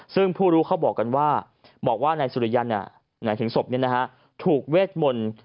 ซึ่งผู้รู้เขาบอกว่านายสุริยันถูกเวทมนต์